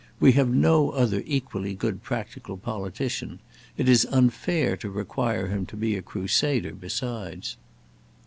We have no other equally good practical politician; it is unfair to require him to be a crusader besides."